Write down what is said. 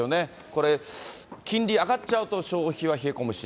これ、金利上がっちゃうと消費は冷え込むし。